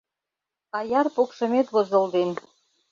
Аяр покшымет возылден.